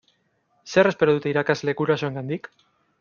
Zer espero dute irakasleek gurasoengandik?